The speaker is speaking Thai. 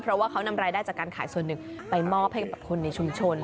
เพราะว่าเขานำรายได้จากการขายส่วนหนึ่งไปมอบให้กับคนในชุมชน